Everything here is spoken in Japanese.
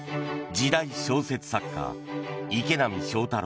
時代小説作家、池波正太郎